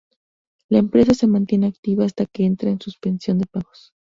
La empresa se mantiene activa hasta que entra en suspensión de pagos.